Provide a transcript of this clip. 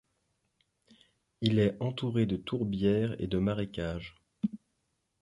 Il est entouré de tourbières et de marécages.